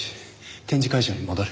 展示会場に戻る。